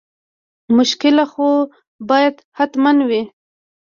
مشکله خو باید حتما وي.